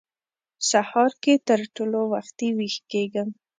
سهار کې تر ټولو وختي وېښ کېږم.